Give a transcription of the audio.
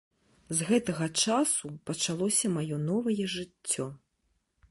З гэтага часу пачалося маё новае жыццё.